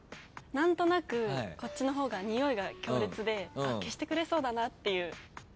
何となくこっちの方がにおいが強烈で消してくれそうだなっていう。